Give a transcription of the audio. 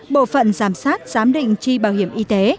bộ phận giám sát giám định tri bảo hiểm y tế